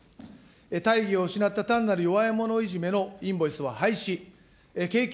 大義を失った単なる弱い者いじめのインボイスは廃止。